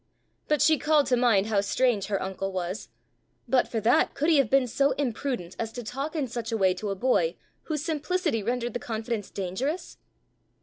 But she called to mind how strange her uncle was: but for that, could he have been so imprudent as to talk in such a way to a boy whose simplicity rendered the confidence dangerous?